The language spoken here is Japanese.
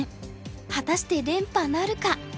果たして連覇なるか。